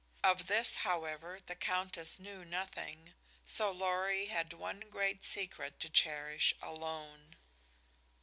Of this, however, the Countess knew nothing, so Lorry had one great secret to cherish alone.